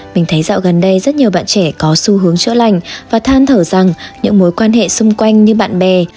mình thấy dạo gần đây rất nhiều bạn trẻ có xu hướng chữa lành và than thở rằng những mối quan hệ xung quanh như bạn bè